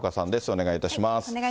お願いいたします。